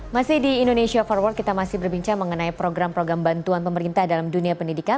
masih di indonesia forward kita masih berbincang mengenai program program bantuan pemerintah dalam dunia pendidikan